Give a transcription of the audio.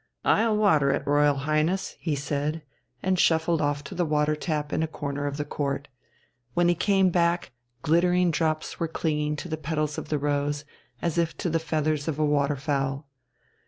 "I'll water it, Royal Highness," he said, and shuffled off to the water tap in a corner of the court. When he came back, glittering drops were clinging to the petals of the rose, as if to the feathers of waterfowl.